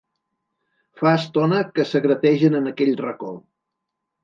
Fa estona que secretegen en aquell racó.